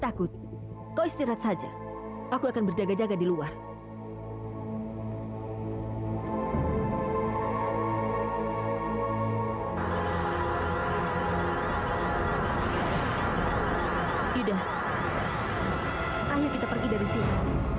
ayo kita pergi dari sini